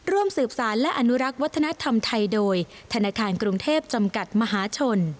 ร่วมสืบสารและอนุรักษ์วัฒนธรรมไทยโดยธนาคารกรุงเทพจำกัดมหาชน